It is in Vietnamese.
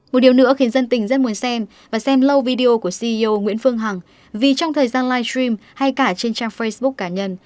một điều nữa khiến dân tỉnh rất muốn xem và xem lâu video của ceo nguyễn phương hằng vì trong thời gian livestream hay cả trên trang facebook cá nhân